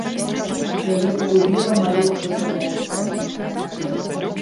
Яе пагубіла маё красамоўства.